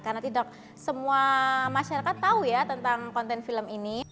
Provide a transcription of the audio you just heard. karena tidak semua masyarakat tahu ya tentang konten film ini